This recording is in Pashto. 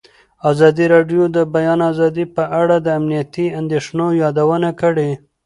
ازادي راډیو د د بیان آزادي په اړه د امنیتي اندېښنو یادونه کړې.